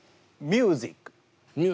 「ミュージック」。